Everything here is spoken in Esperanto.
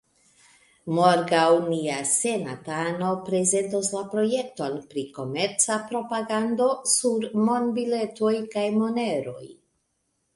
Morgaŭ nia senatano prezentos la projekton pri komerca propagando sur monbiletoj kaj moneroj.